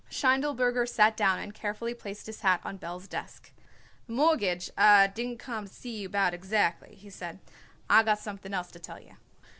Schindelberger sat down and carefully placed his hat on Belz's desk. "The mortgage I didn't come to see you about exactly," he said. "I got something else to tell you."